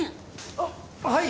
あっはい。